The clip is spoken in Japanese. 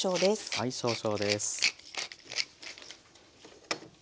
はい少々です。